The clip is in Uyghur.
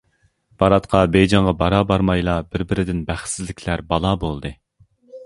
باراتقا بېيجىڭغا بارا-بارمايلا، بىر-بىردىن بەختسىزلىكلەر بالا بولدى.